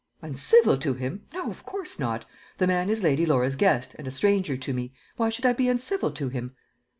"Uncivil to him! No, of course not. The man is Lady Laura's guest, and a stranger to me; why should I be uncivil to him?"